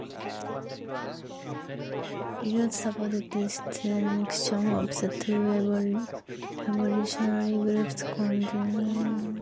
Results support distinction of the two evolutionary groups continental and Sunda tigers.